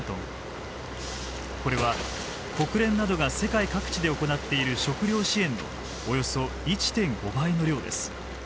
これは国連などが世界各地で行っている食料支援のおよそ１．５倍の量です。